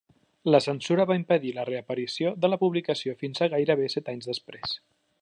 La censura va impedir la reaparició de la publicació fins a gairebé set anys després.